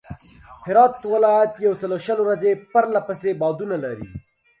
هرات ولایت یوسلوشل ورځي پرله پسې بادونه لري.